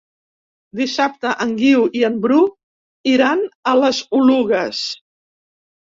Dissabte en Guiu i en Bru iran a les Oluges.